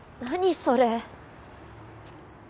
それ。